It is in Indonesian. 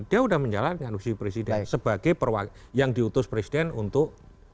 dia sudah menjalankan usia presiden sebagai perwakilan yang diutus presiden untuk